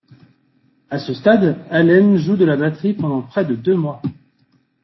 À ce stade, Allen joue de la batterie pendant près de deux mois.